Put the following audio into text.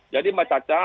jadi mbak caca